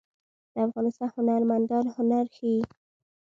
د افغانستان هنرمندان هنر ښيي